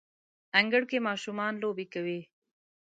انګړ کې ماشومان لوبې کوي